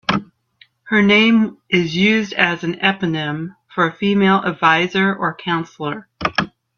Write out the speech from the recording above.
Her name is used as an eponym for a female advisor or counselor.